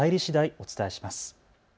お伝えします。